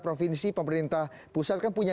provinsi pemerintah pusat kan punya